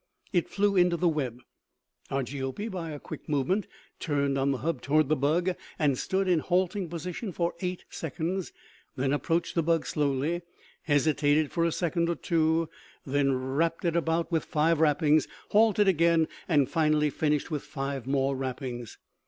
It flew into the web. Argiope, by a quick movement, turned on the hub toward the bug and stood in halting position for eight seconds, then approached the bug slowly, hesitated for a second or two, then wrapped it about with five wrappings, halted again, and finally finished with five more wrappings.